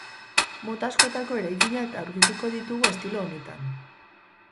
Mota askotako eraikinak aurkituko ditugu estilo honetan.